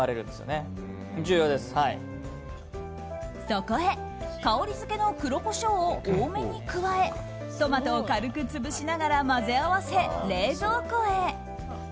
そこへ香りづけの黒コショウを多めに加えトマトを軽く潰しながら混ぜ合わせ、冷蔵庫へ。